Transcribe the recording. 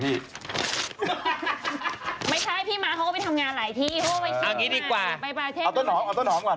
ไปเอาต้นหอมก่อน